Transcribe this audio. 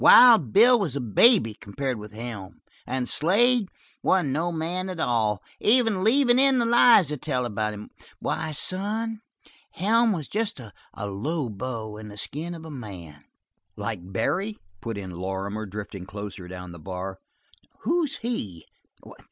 Wild Bill was a baby compared with Helm, and Slade wasn't no man at all, even leavin' in the lies they tell about him. Why, son, Helm was just a lobo, in the skin of a man " "Like Barry?" put in Lorrimer, drifting closer down the bar. "Who's he?"